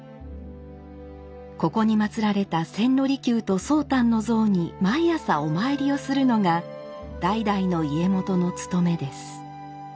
ここにまつられた千利休と宗旦の像に毎朝お参りをするのが代々の家元のつとめです。